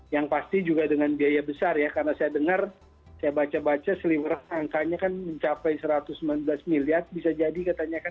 yang pasti juga dengan biaya besar ya karena saya dengar saya baca baca seliweran angkanya kan mencapai satu ratus sembilan belas miliar bisa jadi katanya kan